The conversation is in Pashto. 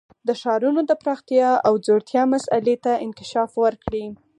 د ښارونو د پراختیا او ځوړتیا مسئلې ته انکشاف ورکړي.